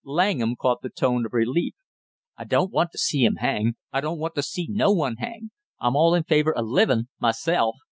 Langham caught the tone of relief. "I don't want to see him hang; I don't want to see no one hang, I'm all in favor of livin', myself.